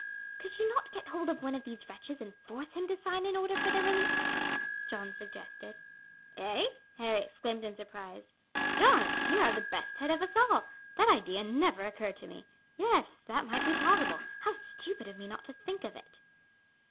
"Could you not get hold of one of these wretches and force him to sign an order for their release?" Jeanne suggested. "Eh!" Harry exclaimed in surprise. "Jeanne, you have the best head of us all. That idea never occurred to me. Yes, that might be possible. How stupid of me not to think of it!"